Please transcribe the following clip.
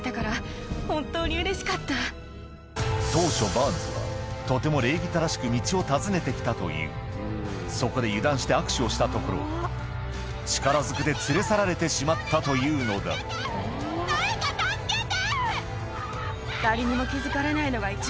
当初バーンズはとてもそこで油断して握手をしたところ力ずくで連れ去られてしまったというのだ誰か助けて！